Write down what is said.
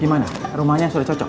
gimana rumahnya sudah cocok